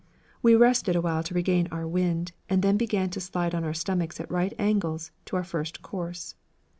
We rested a while to regain our wind and then began to slide on our stomachs at right angles to our first course.